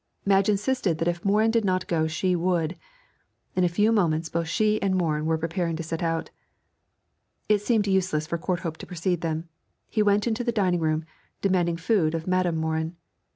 Madge insisted that if Morin did not go she would. In a few moments both she and Morin were preparing to set out. It seemed useless for Courthope to precede them; he went into the dining room, demanding food of Madam Morin.